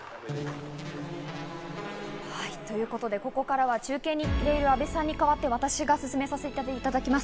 ということで、ここからは中継に行っている阿部さんに代わって私が進めさせていただきます。